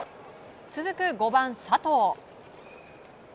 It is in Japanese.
続く５番、佐藤。